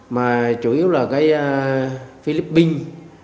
mà chủ yếu là philippines